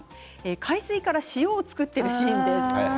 海水から塩を作っているシーンです。